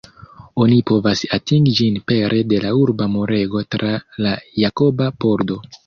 Oni povas atingi ĝin pere de la urba murego tra la Jakoba Pordo.